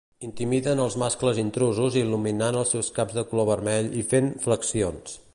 Intimiden als mascles intrusos il·luminant els seus caps de color vermell i fent "flexions".